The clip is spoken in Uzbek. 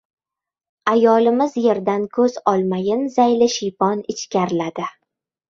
Ayolimiz yerdan ko‘z olmayin zayli shiypon ichkariladi.